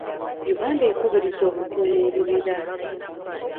Uganda ekubiriza okukuuma ebibira.